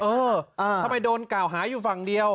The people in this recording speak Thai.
เออทำไมโดนกล่าวหาอยู่ฝั่งเดียว